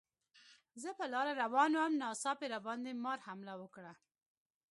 زه په لاره روان وم، ناڅاپي راباندې مار حمله وکړه.